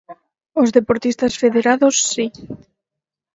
Os deportistas federados si.